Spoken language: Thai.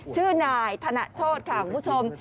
ชื่อนายธนโชธค่ะคุณผู้ชม